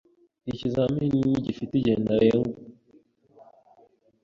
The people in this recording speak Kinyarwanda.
Iki kizamini ntigifite igihe ntarengwa.